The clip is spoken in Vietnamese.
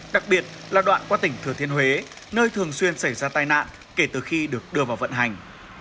đặc biệt là đoạn qua tỉnh thừa thiên huế nơi thường xuyên xảy ra tai nạn kể từ khi được đưa vào vận hành